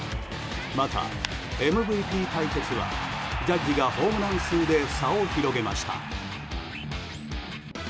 また、ＭＶＰ対決はジャッジがホームラン数で差を広げました。